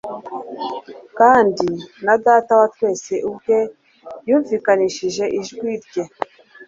kandi na Data wa twese ubwe yumvikanishije ijwi rye.